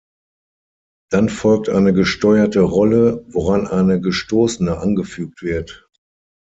Dann folgt eine gesteuerte Rolle, woran eine gestoßene angefügt wird.